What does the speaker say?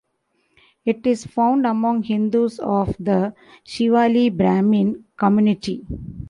It is found among Hindus of the Shivalli Brahmin community.